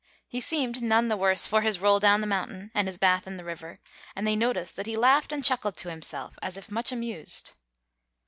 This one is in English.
He seemed none the worse for his roll down the mountain and his bath in the river, and they noticed that he laughed and chuckled to himself as if much amused.